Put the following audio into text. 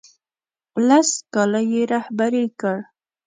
لس کاله یې رهبري کړ.